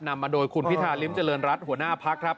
นำมาโดยภิราสมาร์ภิราชธรรย์หัวหน้าภักร์ครับ